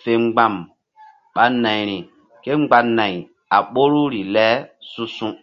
Fe mgba̧m ɓa nayri kémgba nay a ɓoruri le su̧su̧.